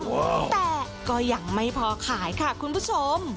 แต่ก็ยังไม่พอขายค่ะคุณผู้ชม